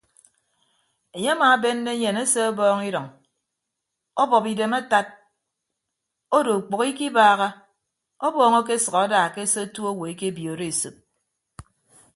Enye amaabenne enyen ese ọbọọñ idʌñ ọbọp idem atad odo ukpәho ikibaaha ọbọọñ akesʌk ada ke se otu owo ekebiooro esop.